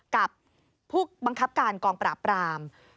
กับผู้บังคับการกองปราบราม